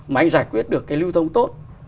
mà anh giải quyết được cái lưu thông tốt